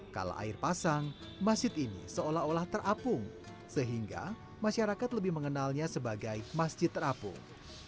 kalau air pasang masjid ini seolah olah terapung sehingga masyarakat lebih mengenalnya sebagai masjid terapung